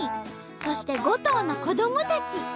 そして５頭の子どもたち。